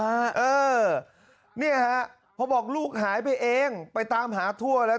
เออเนี่ยฮะพอบอกลูกหายไปเองไปตามหาทั่วแล้ว